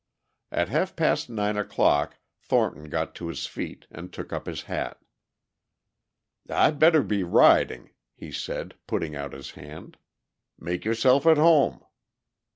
At half past nine o'clock Thornton got to his feet and took up his hat. "I'd better be riding," he said, putting out his hand. "Make yourself at home."